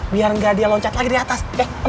biar nggak dia loncat lagi di atas